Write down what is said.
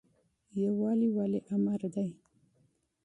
یووالی ولې امر دی؟